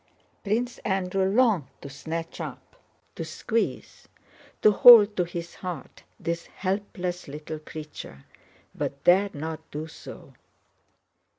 Prince Andrew longed to snatch up, to squeeze, to hold to his heart, this helpless little creature, but dared not do so.